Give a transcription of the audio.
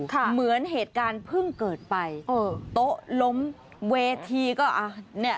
เหมือนเหตุการณ์เพิ่งเกิดไปเออโต๊ะล้มเวทีก็อ่ะเนี่ย